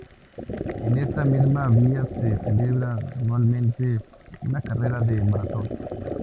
En esta misma vía se celebra anualmente una carrera de maratón.